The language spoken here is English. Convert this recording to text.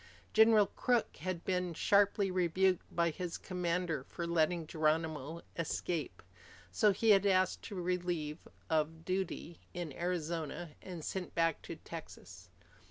General Crook had been sharply rebuked by his commander for letting Geronimo escape. So he had asked to be relieved of duty in Arizona and sent back to Texas.